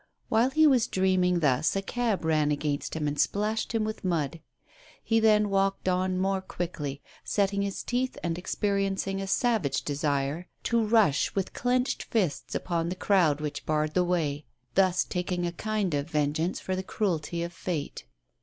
While he was dream ing thus a cab ran against him and splashed him with mud. He then walked on more quickly, setting his teeth and experiencing a savage desire to rush with clenched fists upon the crowd which barred the way, thus taking a kind of vengeance for the cruelty of fate.